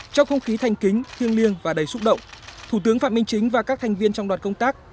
trong không khí thanh kính thiêng liêng và đầy xúc động thủ tướng phạm minh chính và các thành viên trong đoàn công tác